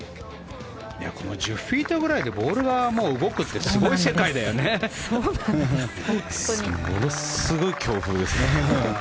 この１０フィートぐらいでボールが動くってものすごい強風です。